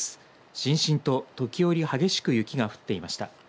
しんしんと時折激しく雪が降っていました。